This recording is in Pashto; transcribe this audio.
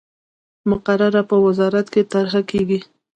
مقرره په وزارت کې طرح کیږي.